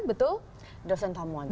betul dosen tamu aja